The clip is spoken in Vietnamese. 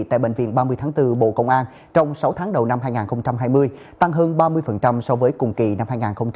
ba mươi tháng bốn bộ công an trong sáu tháng đầu năm hai nghìn hai mươi tăng hơn ba mươi so với cùng kỳ năm hai nghìn một mươi chín